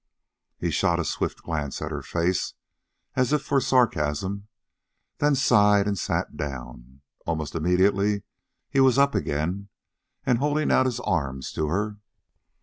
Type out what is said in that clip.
He shot a swift glance at her face, as if for sarcasm, then sighed and sat down. Almost immediately he was up again and holding out his arms to her.